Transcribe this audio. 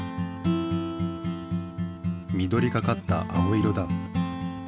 緑がかった青色だ。